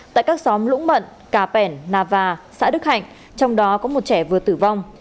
tại các xóm lũng mận cà pẻn nà và xã đức hạnh trong đó có một trẻ vừa tử vong